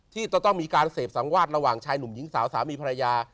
ที่จะต้องมีการเสพสังวาดระหว่างชายหนุ่มหญิงสาวสามีภรรยา